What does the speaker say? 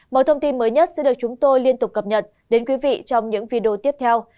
mọi thông tin mới nhất sẽ được chúng tôi liên tục cập nhật đến quý vị trong những video tiếp theo